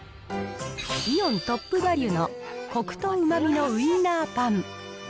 イオン・トップバリュのコクとうまみのウインナーパン。